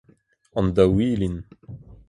an daouilin